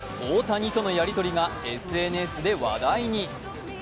その千賀、大谷とのやりとりがＳＮＳで話題に。